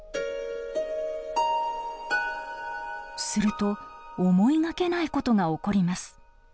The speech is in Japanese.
すると思いがけないことが起こります。